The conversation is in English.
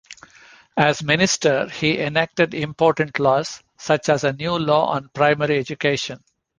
As minister he enacted important laws, such as a new law on primary education.